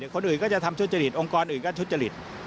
คนอื่นก็จะทำทุจริตองค์กรอื่นก็ทุจริต